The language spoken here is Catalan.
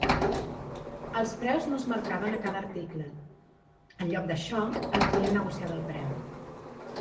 Els preus no es marcaven a cada article; en lloc d'això, el client negociava el preu.